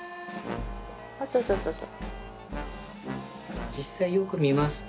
あっそうそうそうそう。